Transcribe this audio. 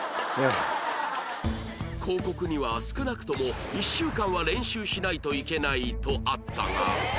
広告には少なくとも１週間は練習しないといけないとあったが